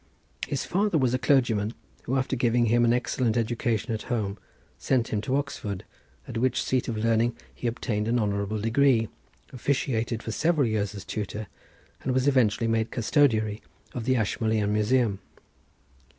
His father was a clergyman, who after giving him an excellent education at home sent him to Oxford, at which seat of learning he obtained an honourable degree, officiated for several years as tutor, and was eventually made custodiary of the Ashmolean Museum.